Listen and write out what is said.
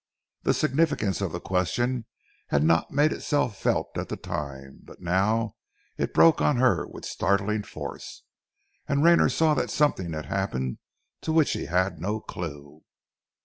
The significance of the question had not made itself felt at the time, but now it broke on her with startling force, and Rayner saw that something had happened to which he had no clue.